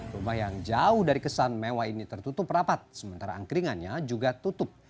rumah yang jauh dari kesan mewah ini tertutup rapat sementara angkringannya juga tutup